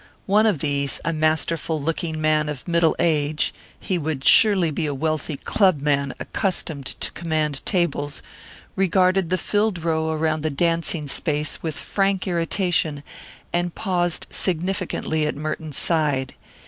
One of these, a masterful looking man of middle age he would surely be a wealthy club man accustomed to command tables regarded the filled row around the dancing space with frank irritation, and paused significantly at Merton's side.